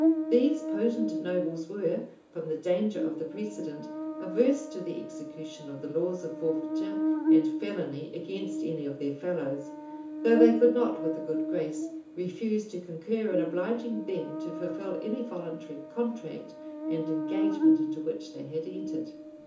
These potent nobles were, from the danger of the precedent, averse to the execution of the laws of forfeiture and felony against any of their fellows; though they could not, with a good grace, refuse to concur in obliging them to fulfil any voluntary contract and engagement into which they had entered.